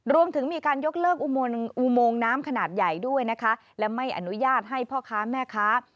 รวมถึงมีการยกเลิกอุโมงน้ำขนาดใหญ่ด้วยนะคะและไม่อนุญาตให้พ่อค้าแม่ค้า